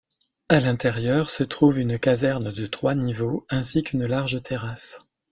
À l'intérieur se trouve une caserne de trois niveaux ainsi qu'une large terrasse.